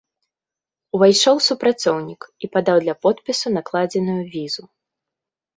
Увайшоў супрацоўнік і падаў для подпісу накладзеную візу.